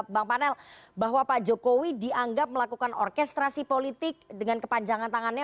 bang panel bahwa pak jokowi dianggap melakukan orkestrasi politik dengan kepanjangan tangannya